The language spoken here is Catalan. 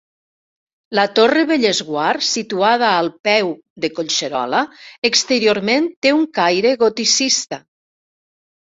La torre Bellesguard, situada al peu de Collserola, exteriorment té un caire goticista.